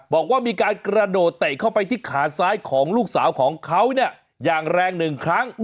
บอกว่ามีการกระโดดเตะเข้าไปที่ขาซ้ายของลูกสาวของเขาเนี่ยอย่างแรงหนึ่งครั้ง